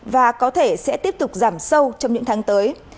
và có thể sẽ tiếp tục giảm sâu trong những tháng tới